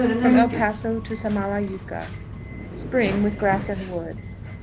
From El Paso to 26.10. Samalayuca. Spring, with grass and wood. 38.00.